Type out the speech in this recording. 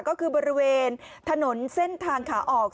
ก็คือบริเวณถนนเส้นทางขาออก